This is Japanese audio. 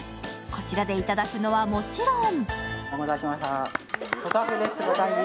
こちらで頂くのはもちろん。